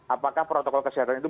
apakah protokol kesehatan itu